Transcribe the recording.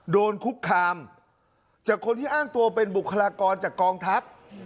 โดนคุกคามจากคนที่อ้างตัวเป็นบุคลากรจากกองทัพ